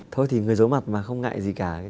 thôi thì người giấu mặt mà không ngại gì cả